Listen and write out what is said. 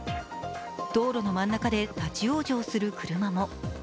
道路の真ん中で立往生する車も。